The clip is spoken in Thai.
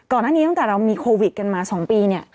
ก่อนหน้านี้ตั้งแต่เรามีโควิดกันมา๒ปีเนี่ย